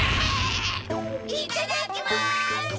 いただきます！